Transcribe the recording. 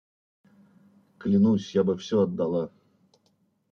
Клянусь, я все бы отдала.